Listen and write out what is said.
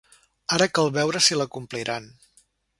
Ara cal veure si la compliran.